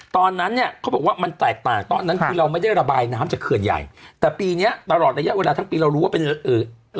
ตอนนั้นเนี้ยเขาบอกว่ามันแตกต่างตอนนั้นคือเราไม่ได้ระบายน้ำจากเขื่อนใหญ่แต่ปีเนี้ยตลอดระยะเวลาทั้งปีเรารู้ว่าเป็นเอ่อ